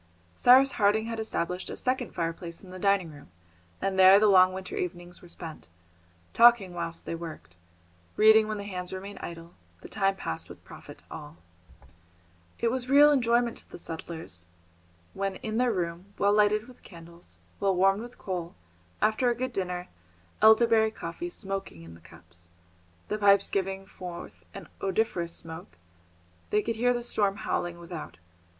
Cyrus Harding had established a second fireplace in the dining room, and there the long winter evenings were spent. Talking whilst they worked, reading when the hands remained idle, the time passed with profit to all. [Illustration: THE MESSENGER] It was real enjoyment to the settlers when in their room, well lighted with candles, well warmed with coal, after a good dinner, elder berry coffee smoking in the cups, the pipes giving forth an odoriferous smoke, they could hear the storm howling without.